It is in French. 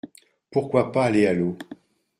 Pourquoi pas aller à l’eau ?